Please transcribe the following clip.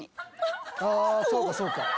そうかそうか。